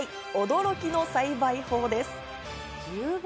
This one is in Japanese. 驚きの栽培法です。